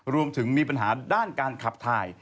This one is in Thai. รวมถึงมีปัญหาด้านการขับทาย